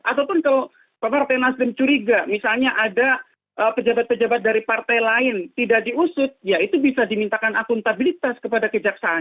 ataupun kalau partai nasdem curiga misalnya ada pejabat pejabat dari partai lain tidak diusut ya itu bisa dimintakan akuntabilitas kepada kejaksaan